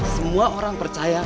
semua orang percaya